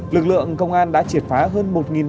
lực lượng công an đã triệt phá hơn